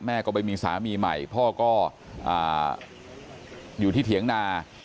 ก็ไปมีสามีใหม่พ่อก็อยู่ที่เถียงนา